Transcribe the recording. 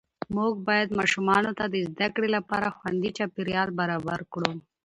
موږ باید ماشومانو ته د زده کړې لپاره خوندي چاپېریال برابر کړو